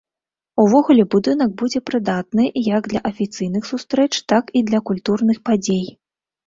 Увогуле будынак будзе прыдатны як для афіцыйных сустрэч, так і для культурных падзей.